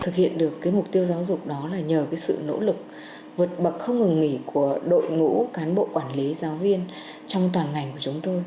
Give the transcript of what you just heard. thực hiện được mục tiêu giáo dục đó là nhờ cái sự nỗ lực vượt bậc không ngừng nghỉ của đội ngũ cán bộ quản lý giáo viên trong toàn ngành của chúng tôi